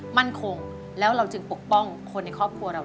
หยุดครับหยุดครับหยุดครับ